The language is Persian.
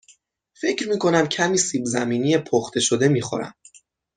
فکر می کنم کمی سیب زمینی پخته شده می خورم.